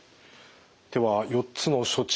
では４つの処置